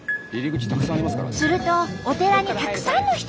するとお寺にたくさんの人が。